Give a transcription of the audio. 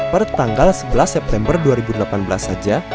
pada tanggal sebelas september dua ribu delapan belas saja